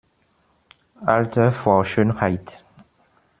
Alter vor Schönheit!